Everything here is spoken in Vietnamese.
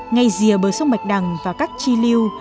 ngay dìa bờ sông bạch đằng và các chi liêu